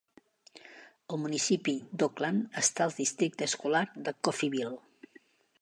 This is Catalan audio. El municipi d'Oakland està al Districte escolar de Coffeeville.